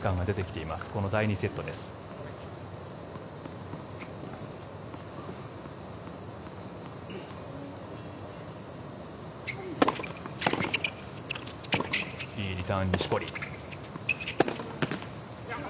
いいリターン、錦織。